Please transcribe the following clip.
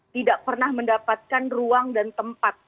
tidak pernah mendapatkan ruang dan ruang yang baik